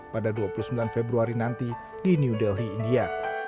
pada dua puluh sembilan februari nanti di new delhi india